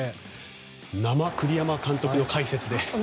生栗山監督の解説で。